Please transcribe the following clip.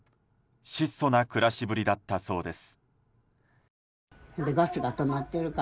質素な暮らしぶりだったそうです。